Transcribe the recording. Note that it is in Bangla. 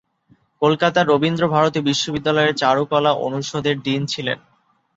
কলকাতার রবীন্দ্রভারতী বিশ্ববিদ্যালয়ের চারুকলা অনুষদের ডিন ছিলেন।